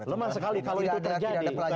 lemah sekali kalau itu terjadi